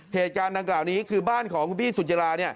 เหตุการณ์ดังกล่าวนี้คือบ้านของคุณพี่สุจิรา